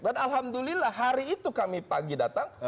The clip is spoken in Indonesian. dan alhamdulillah hari itu kami pagi datang